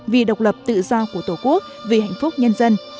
vì độc lập tự do của tổ quốc vì hạnh phúc nhân dân